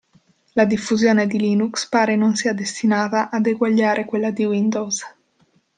La diffusione di Linux pare non sia destinata ad eguagliare quella di Windows.